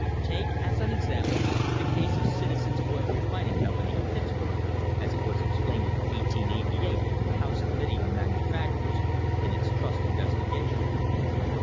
Take as an example the case of the Citizens' Oil Refin ing Company of Pittsburg, as it was explained in 1888 to the House Committee on Manufactures in its trust investigation.